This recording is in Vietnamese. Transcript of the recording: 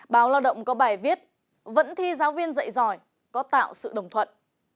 báo lao động có bài viết vẫn thi giáo viên dạy giỏi có tạo sự đồng thuận